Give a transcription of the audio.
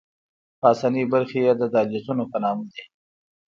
پاسنۍ برخې یې د دهلیزونو په نامه دي.